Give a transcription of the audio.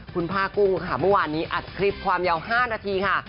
คุณผ้ากุ้งค่ะเมื่อวานนี้อัดคลิปความยาว๕นาทีค่ะ